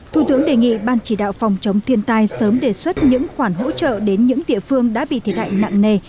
thủ tướng đề nghị ban chỉ đạo phòng chống thiên tai sớm đề xuất những khoản hỗ trợ đến những địa phương đã bị thiệt hại nặng nề